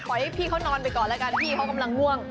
ให้พี่เขานอนไปก่อนแล้วกันพี่เขากำลังง่วง